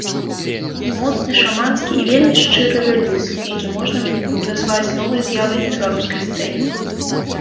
Моцны, шаманскі і вельмі шчыры рэліз, які можна назваць новай з'явай на беларускай сцэне.